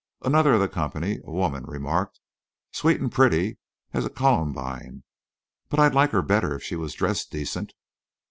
Another of the company—a woman—remarked: "Sweet an' pretty as a columbine. But I'd like her better if she was dressed decent."